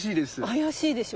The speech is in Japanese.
妖しいでしょ？